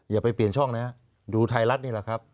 อย่าไปเปลี่ยนช่องนะดูไทยรัฐนี่แหละครับ